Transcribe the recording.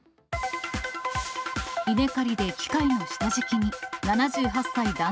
稲刈りで機械の下敷きに。